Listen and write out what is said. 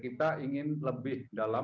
kita ingin lebih dalam